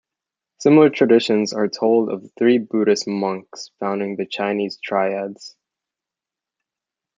Similar traditions are told of three Buddhist monks founding the Chinese Triads.